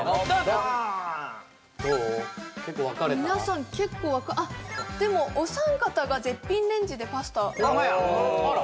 皆さん結構あっでもお三方が絶品レンジでパスタホンマや！